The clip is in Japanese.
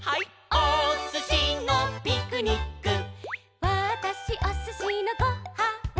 「おすしのピクニック」「わたしおすしのご・は・ん」